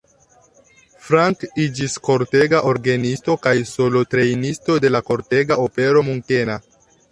Frank iĝis kortega orgenisto kaj solotrejnisto de la kortega opero munkena.